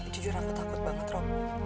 jujur aku takut banget rom